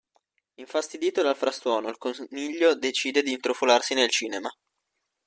Infastidito dal frastuono, il coniglio decide di intrufolarsi nel cinema.